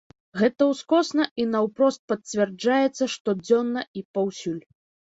Гэта ўскосна і наўпрост пацвярджаецца штодзённа і паўсюль.